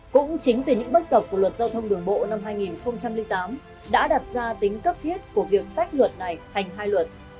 cũng chính từ những bất cập của luật giao thông đường bộ năm hai nghìn tám đã đặt ra tính cấp thiết của việc tách luật này thành hai luật